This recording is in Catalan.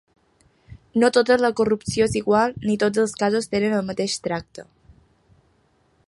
No tota la corrupció és igual ni tots els casos tenen el mateix tracte.